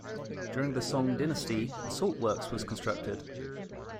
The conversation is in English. During the Song Dynasty, a salt works was constructed.